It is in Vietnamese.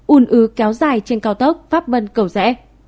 un ứ kéo dài trên cao tốc pháp vân cầu rẽ